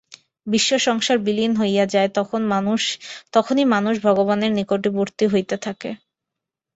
বিশ্বসংসার বিলীন হইয়া যায়, তখনই মানুষ ভগবানের নিকটবর্তী হইতে থাকে।